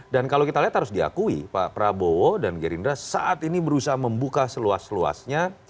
dan kalau kita lihat harus diakui pak prabowo dan gerindra saat ini berusaha membuka seluas luasnya